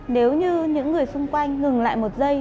nếu như những người xung quanh ngừng lại một giây